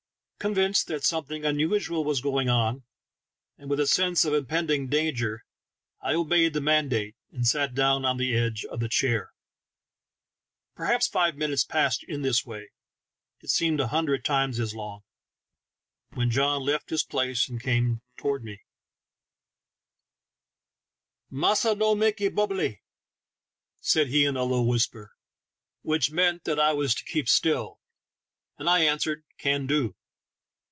Convinced that some thing unusual was going on, and with a sense of impending danger, I obeyed the mandate, and sat down on the edge of the chair. Perhaps five minutes passed in this way — it seemed a hundred times as long — when John left his place and came toward me "Massa no makee bobblely,'* said he in a low whisper — which meant that I was to keep still ; and THE TALKING HANDKERCHIEF. 2^ I answered, "Can do."